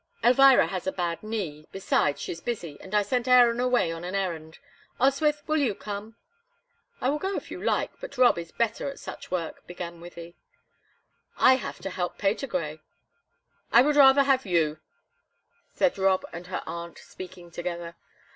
"Elvira has a bad knee, besides, she's busy, and I sent Aaron away on an errand. Oswyth, will you come?" "I will go if you like, but Rob is better at such work," began Wythie. "I have to help Patergrey," "I would rather have you," said Rob and her aunt, speaking together.